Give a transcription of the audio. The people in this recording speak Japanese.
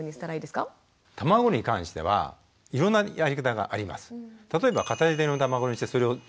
卵に関してはいろんなやり方があります。